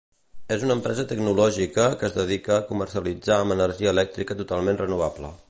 És una empresa tecnològica que es dedica a comercialitzar amb energia elèctrica totalment renovable.